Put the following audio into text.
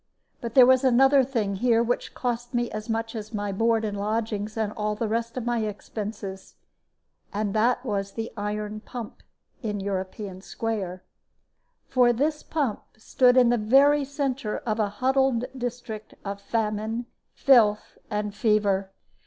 But there was another thing here which cost me as much as my board and lodgings and all the rest of my expenses. And that was the iron pump in European Square. For this pump stood in the very centre of a huddled district of famine, filth, and fever.